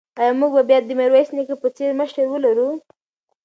ایا موږ به بیا د میرویس نیکه په څېر مشر ولرو؟